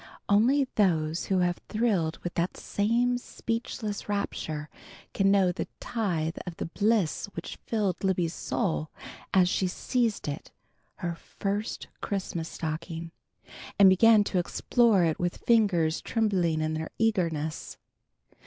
Only those who have thrilled with that same speechless rapture can know a tithe of the bliss which filled Libby's soul, as she seized it, her first Christmas stocking, and began to explore it with fingers trembling in their eagerness.